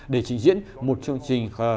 để trình diễn một chương trình